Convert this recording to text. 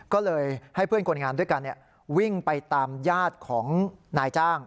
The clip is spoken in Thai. ก็เลยให้เพื่อนคนงานด้วยกันวิ่งไปตามญาติของนายจ้าง